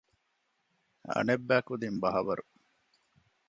އަނެއްބައިކުދިން ބަޚަބަރު